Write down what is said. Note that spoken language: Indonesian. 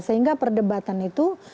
sehingga perdebatan itu